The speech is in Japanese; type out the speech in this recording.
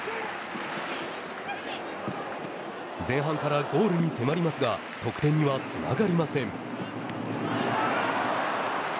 前半からゴールに迫りますが得点にはつながりません。